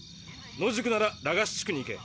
野宿ならラガシ地区に行け。